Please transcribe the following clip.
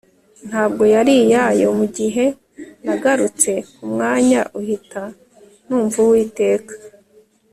ntabwo yari iyayo. mugihe nagarutse kumwanya uhita numva uwiteka